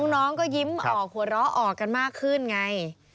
น้องก็ยิ้มออกหัวเราะออกกันมากขึ้นไง